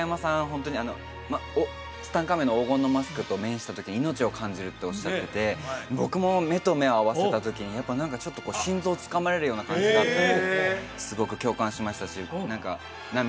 ホントにツタンカーメンの黄金のマスクと面した時に「命を感じる」っておっしゃってて僕も目と目を合わせた時にやっぱ何かちょっとこう心臓をつかまれるような感じだったのですごく共感しましたし何か涙